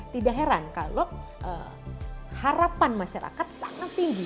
tidak heran kalau harapan masyarakat sangat tinggi